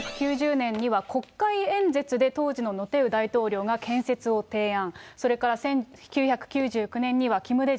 １９９０年には国会演説で当時のノ・テウ大統領が建設を提案。